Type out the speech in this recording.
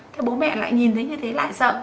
thế bố mẹ lại nhìn thấy như thế lại sợ